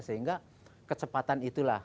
sehingga kecepatan itulah